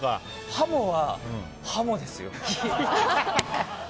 ハモは、ハモですよ。